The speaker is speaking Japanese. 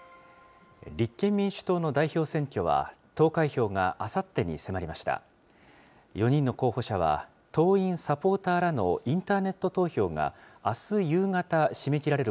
立憲民主党の代表選挙は、投開票があさってに迫りました。